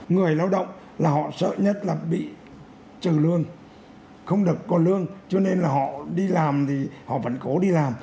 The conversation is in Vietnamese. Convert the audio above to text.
người lao động là họ sợ nhất là bị trừ lương không được có lương cho nên là họ đi làm thì họ vẫn cố đi làm